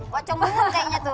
pocong mumun kayaknya tuh